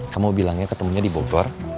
kamu bilangnya ketemunya di boku luar